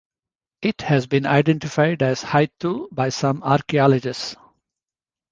It has been identified as Haitou by some archaeologists.